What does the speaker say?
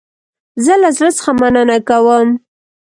زه له زړه څخه مننه کوم